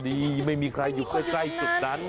ไม่มีใครอยู่ใกล้จุดนั้น